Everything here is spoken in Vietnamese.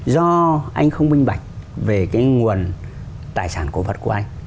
do anh không minh bạch về cái nguồn tài sản cổ vật của anh